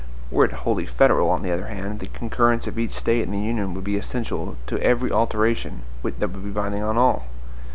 Were it wholly federal, on the other hand, the concurrence of each State in the Union would be essential to every alteration that would be binding on all.